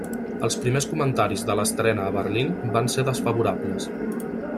Els primers comentaris de l'estrena a Berlín van ser desfavorables.